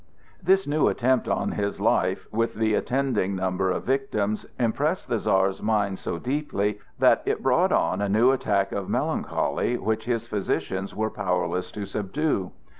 This new attempt on his life, with the attending number of victims, impressed the Czar's mind so deeply that it brought on a new attack of melancholy which his physicians were powerless to subdue.